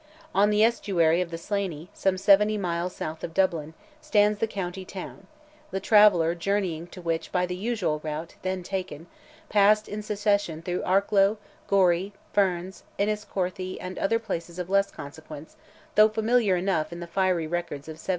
On the estuary of the Slaney, some seventy miles south of Dublin, stands the county town, the traveller journeying to which by the usual route then taken, passed in succession through Arklow, Gorey, Ferns, Enniscorthy, and other places of less consequence, though familiar enough in the fiery records of 1798.